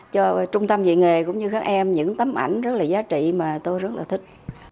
cho trung tâm dạy nghề cũng như các em những tấm ảnh rất là giá trị mà tôi rất là thích